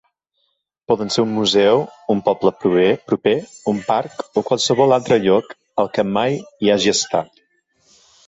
Poden ser un museu, un poble proper, un parc o qualsevol altre lloc al que mai hi hagi estat.